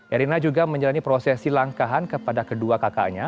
erina juga menjalani prosesi langkahan kepada kedua kakaknya